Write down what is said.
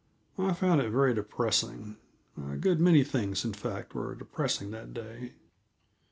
I found it very depressing a good many things, in fact, were depressing that day.